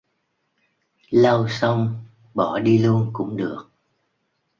Lau xong bỏ đi luôn cũng được